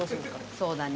そうだね。